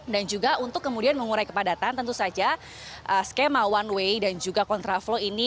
dan juga untuk kemudian mengurai kepadatan tentu saja skema one way dan juga kontra flow ini